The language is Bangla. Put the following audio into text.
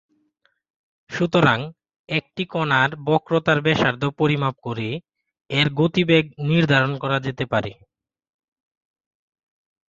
সুতরাং, একটি কণার বক্রতার ব্যাসার্ধ পরিমাপ করে, এর গতিবেগ নির্ধারণ করা যেতে পারে।